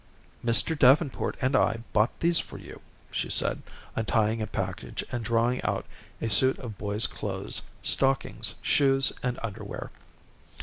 "Mr. Davenport and I bought these for you," she said, untying a package and drawing out a suit of boy's clothes, stockings, shoes, and underwear.